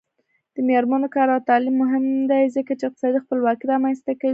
د میرمنو کار او تعلیم مهم دی ځکه چې اقتصادي خپلواکۍ رامنځته کوي.